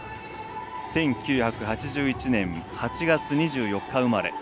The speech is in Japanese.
１９８１年８月２４日生まれ。